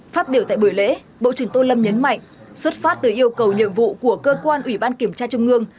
phát biểu tại buổi lễ bộ trưởng tô lâm nhấn mạnh xuất phát từ yêu cầu nhiệm vụ của cơ quan ủy ban kiểm tra trung ương